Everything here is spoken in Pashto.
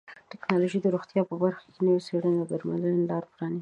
ټکنالوژي د روغتیا په برخه کې نوې څیړنې او درملنې لارې پرانیزي.